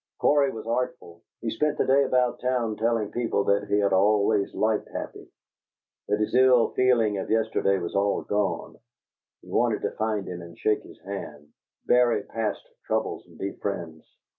Cory was artful: he spent the day about town telling people that he had always liked Happy; that his ill feeling of yesterday was all gone; he wanted to find him and shake his hand, bury past troubles and be friends.